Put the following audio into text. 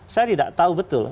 saya tidak tahu betul